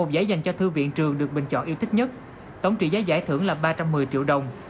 một giải dành cho thư viện trường được bình chọn yêu thích nhất tổng trị giá giải thưởng là ba trăm một mươi triệu đồng